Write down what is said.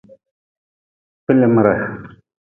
Kpilimre.